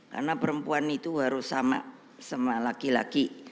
karena perempuan itu harus sama sama laki laki